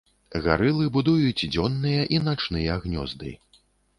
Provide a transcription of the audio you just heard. Гарылы будуюць дзённыя і начныя гнёзды.